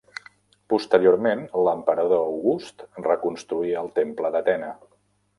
Posteriorment l'emperador August reconstruí el temple d'Atena.